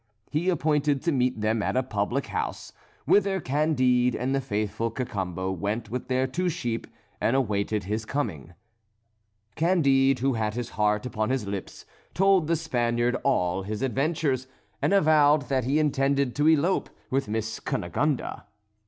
He appointed to meet them at a public house, whither Candide and the faithful Cacambo went with their two sheep, and awaited his coming. Candide, who had his heart upon his lips, told the Spaniard all his adventures, and avowed that he intended to elope with Miss Cunegonde.